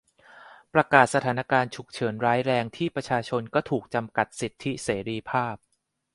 ประกาศสถานการณ์ฉุกเฉินร้ายแรง ที่ประชาชนก็ถูกจำกัดสิทธิเสรีภาพ